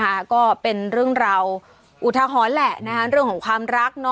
ค่ะก็เป็นเรื่องราวอุทหรณ์แหละนะคะเรื่องของความรักเนาะ